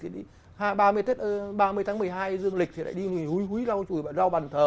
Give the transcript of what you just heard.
ba mươi tháng một mươi hai dương lịch thì lại đi húi húi lau bàn thờ